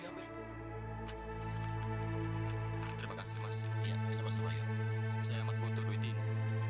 jadi itu alasan kamu voltage kayak oh iya